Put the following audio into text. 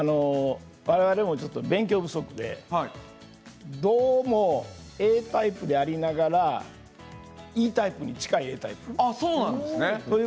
我々も勉強不足でどうもＡタイプでありながらＥタイプに近いＡタイプということなんです。